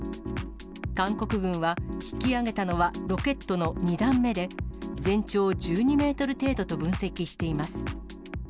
韓国軍は引き揚げたのはロケットの２段目で、全長１２メートル程度と分析しています。